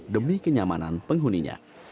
demi kenyamanan penghuninya